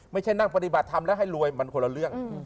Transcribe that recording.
ไม่ใช่นั่งปฏิบัติธรรมแล้วให้รวยมันคนละเรื่อง